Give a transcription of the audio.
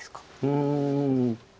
うん。